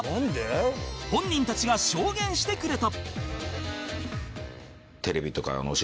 本人たちが証言してくれた